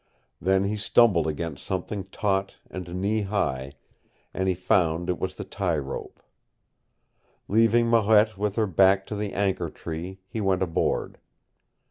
Then he stumbled against something taut and knee high, and he found it was the tie rope. Leaving Marette with her back to the anchor tree, he went aboard.